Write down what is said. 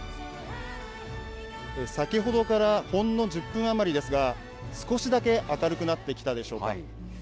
先ほどからほんの１０分余りですが、少しだけ明るくなってきたでしょうか。